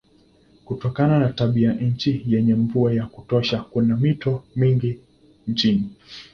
Kutokana na tabianchi yenye mvua ya kutosha kuna mito mingi nchini.